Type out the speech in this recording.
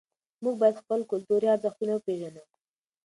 موږ باید خپل کلتوري ارزښتونه وپېژنو.